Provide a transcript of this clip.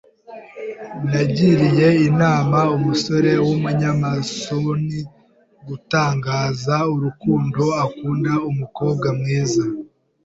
Nagiriye inama umusore wumunyamasoni gutangaza urukundo akunda umukobwa mwiza.